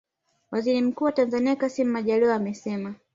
Waziri mkuu wa Tanzania Kassim Majaliwa amesema